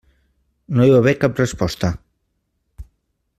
No hi va haver cap resposta.